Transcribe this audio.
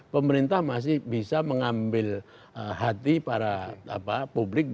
pemerintah masih bisa mengambil hati para publik